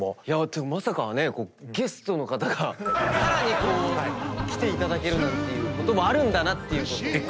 まさかねゲストの方がさらに来ていただけるなんてっていうこともあるんだなって。